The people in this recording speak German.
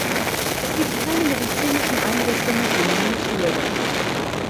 Es gibt keine medizinischen Einrichtungen in Moose River.